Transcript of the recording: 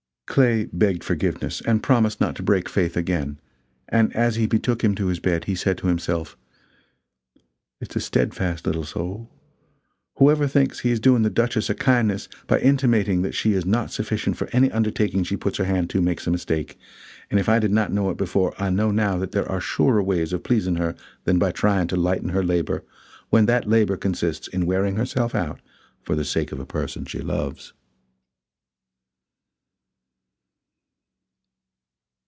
Clay begged forgiveness and promised not to break faith again; and as he betook him to his bed, he said to himself: "It's a steadfast little soul; whoever thinks he is doing the Duchess a kindness by intimating that she is not sufficient for any undertaking she puts her hand to, makes a mistake; and if I did not know it before, I know now that there are surer ways of pleasing her than by trying to lighten her labor when that labor consists in wearing herself out for the sake of a person she loves."